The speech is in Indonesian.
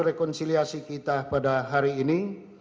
rekonsiliasi kita pada hari ini